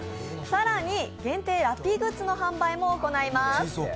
更に限定ラッピーグッズの販売も行います。